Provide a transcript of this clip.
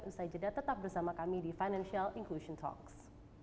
usai jeda tetap bersama kami di financial inclusion talks